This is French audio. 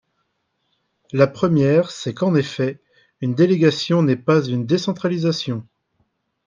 La première, c’est qu’en effet, une délégation n’est pas une décentralisation.